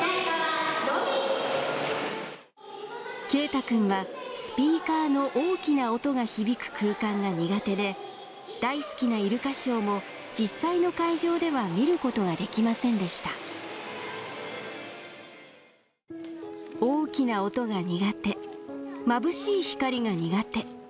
啓太君はスピーカーの大きな音が響く空間が苦手で大好きなイルカショーも実際の会場では見ることができませんでした大きな音が苦手眩しい光が苦手